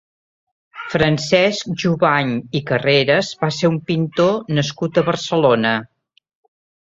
Francesc Jubany i Carreras va ser un pintor nascut a Barcelona.